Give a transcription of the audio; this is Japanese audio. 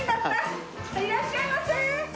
いらっしゃいませ！